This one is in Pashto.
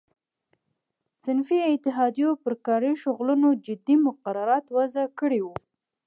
صنفي اتحادیو پر کاري شغلونو جدي مقررات وضع کړي وو.